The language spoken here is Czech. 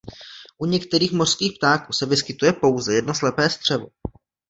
U některých mořských ptáků se vyskytuje pouze jedno slepé střevo.